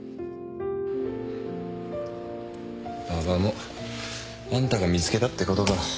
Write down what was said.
馬場もあんたが見つけたってことか。